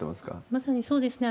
まさにそうですね。